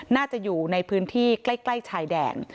น่าจะอยู่ในพื้นที่ใกล้ชายแดน